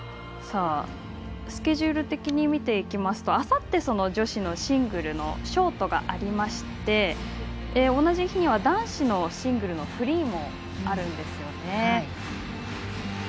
スケジュール的に見ていくとあさって、女子シングルのショートがありまして同じ日には男子のシングルのフリーもあるんですよね。